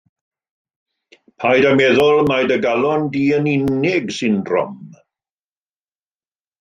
Paid â meddwl mai dy galon di yn unig sy'n drom.